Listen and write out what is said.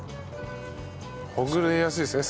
ほぐれやすいですね